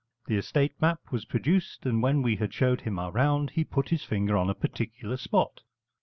The estate map was produced, and when we had showed him our round, he put his finger on a particular spot.